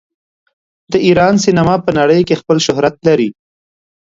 د ایران سینما په نړۍ کې خپل شهرت لري.